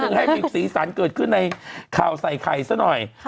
ให้มีสีสันเกิดขึ้นในข่าวใส่ไข่ซะหน่อย